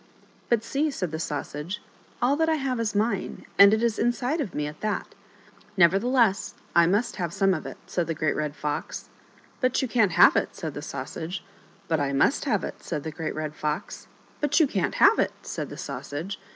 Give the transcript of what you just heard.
" But see," said the Sausage, " all that I have is mine, and it is inside of me at that." " Nevertheless, I must have some of it," said the Great Red Fox. " But you can't have it," said the Sausage. " But I must have it," said the Great Red Fox. " But you can't have it," said the Sausage.